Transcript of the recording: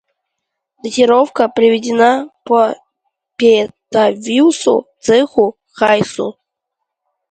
датировка приведена по Петавиусу, Цеху, Хайсу